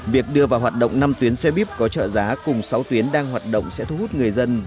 việc đưa vào hoạt động năm tuyến xe buýt có trợ giá cùng sáu tuyến đang hoạt động sẽ thu hút người dân